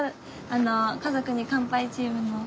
あの「家族に乾杯」チームの。